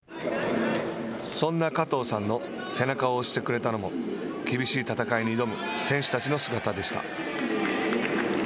そんな加藤さんの背中を押してくれたのも厳しい戦いに挑む選手たちの姿でした。